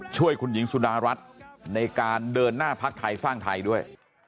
ช่วยคุณหญิงสุดารัฐในการเดินหน้าพักไทยสร้างไทยด้วย